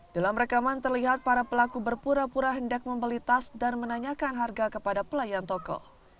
dalam rekaman terlihat para pelaku berpura pura hendak membeli tas dan menanyakan harga kepada pelayan toko